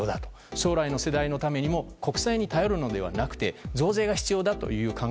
将来の世代のためにも国債に頼るのではなくて増税が必要だと。